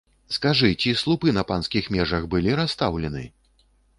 Скажы, ці слупы на панскіх межах былі расстаўлены?